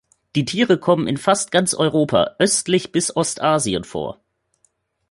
Die Tiere kommen in fast ganz Europa, östlich bis Ostasien vor.